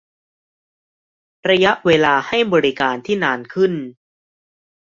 - ระยะเวลาให้บริการที่นานขึ้น